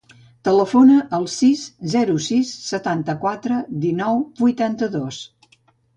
Telefona al sis, zero, sis, setanta-quatre, dinou, vuitanta-dos.